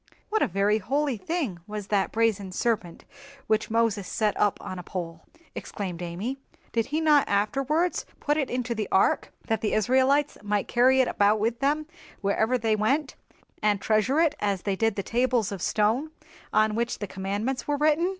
"What a very holy thing was that brazen serpent which Moses set up on a pole!" exclaimed Amy. "Did he not afterwards put it into the ark, that the Israelites might carry it about with them wherever they went, and treasure it as they did the tables of stone on which the Commandments were written?"